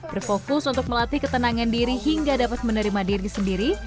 berfokus untuk melatih ketenangan diri hingga dapat menerima diri sendiri